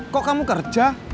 kok kamu kerja